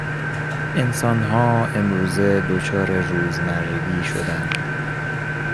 انسان ها امروزه دچار روزمرگی شده اند